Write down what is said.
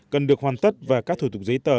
cần được hoàn tất và các thủ tục giấy tờ